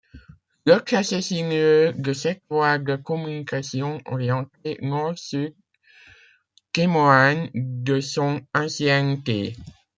Le tracé sinueux de cette voie de communication orientée Nord-Sud témoigne de son ancienneté.